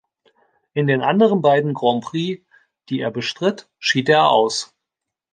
In den anderen beiden Grands Prix, die er bestritt, schied er aus.